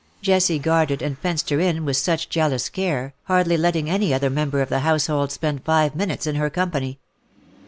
Jessie guarded and fenced her in with such jealous care, hardly letting any other member of the household spend five minutes in her company.